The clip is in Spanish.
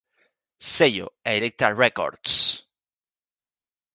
Sello: Elektra Records